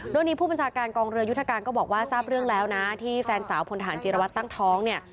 เรื่องนี้ผู้บัญชาการกองเรือยุทธการก็บอกว่าทราบเรื่องแล้วนะที่แฟนสาวพลฐานจิรวัตรตั้งท้องเนี่ย